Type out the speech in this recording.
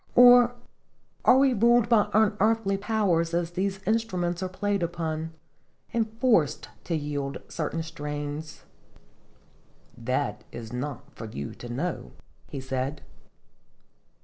" Or are we ruled by unearthly powers, as these instruments are played upon" and forced to yield certain strains? "" That is not for you to know," he said.